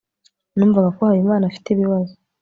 numvaga ko habimana afite ibibazo